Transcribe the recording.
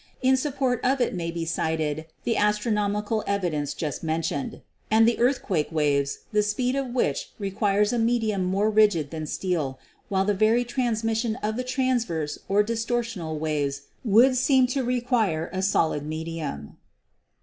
In support of it may be cited the astronomical evi 126 GEOLOGY dence just mentioned, and the earthquake waves, the speed of which requires a medium mere rigid than steel, while the very transmission of the transverse or distortional waves would seem to require a solid medium.